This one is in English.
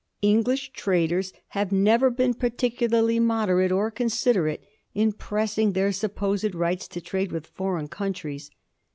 English traders have never been particularly moderate or considerate in pressing their supposed rights to trade with foreign countries.